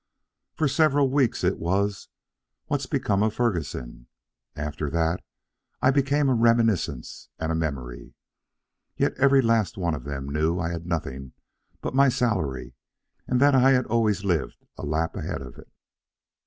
For several weeks it was: 'What's become of Ferguson?' After that I became a reminiscence and a memory. Yet every last one of them knew I had nothing but my salary and that I'd always lived a lap ahead of it."